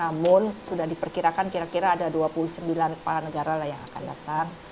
namun sudah diperkirakan kira kira ada dua puluh sembilan kepala negara lah yang akan datang